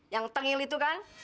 yang tengil itu kan